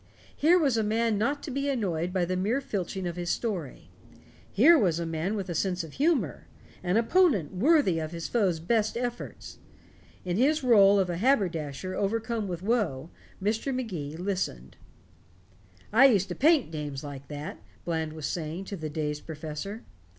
Here was a man not to be annoyed by the mere filching of his story. Here was a man with a sense of humor an opponent worthy his foe's best efforts. In his rôle of a haberdasher overcome with woe, Mr. Magee listened. "I used to paint dames like that," Bland was saying to the dazed professor.